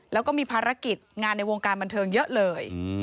แล้วก็มีภารกิจงานในวงการบันเทิงเยอะเลย